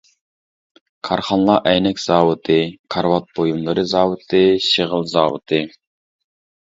كارخانىلار ئەينەك زاۋۇتى، كارىۋات بۇيۇملىرى زاۋۇتى، شېغىل زاۋۇتى.